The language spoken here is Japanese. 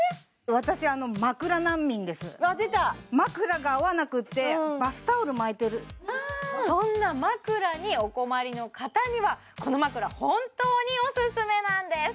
私枕難民ですわっ出た枕が合わなくてバスタオル巻いてるそんな枕にお困りの方にはこの枕本当にオススメなんです